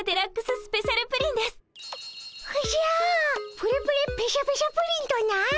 プレプレペシャペシャプリンとな！